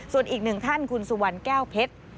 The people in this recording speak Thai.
ส่วนอีกหนึ่งท่านคุณสุวรรณแก้วเพชร